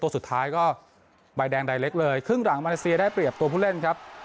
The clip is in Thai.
สุดท้ายก็ใบแดงใดเล็กเลยครึ่งหลังมาเลเซียได้เปรียบตัวผู้เล่นครับ